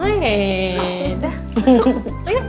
hei dah masuk